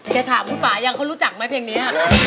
ถามคุณป่ายังเขารู้จักไหมเพลงนี้